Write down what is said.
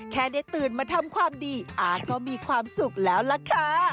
แค่ได้ตื่นมาทำความดีอาร์ตก็มีความสุขแล้วล่ะค่ะ